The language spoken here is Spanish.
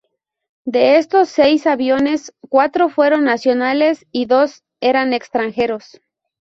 De estos seis aviones, cuatro fueron nacionales y dos eran extranjeros.